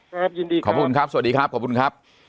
ยินดีครับขอบคุณครับสวัสดีครับขอบคุณครับ